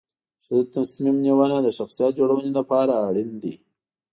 ښه تصمیم نیونه د شخصیت جوړونې لپاره اړین دي.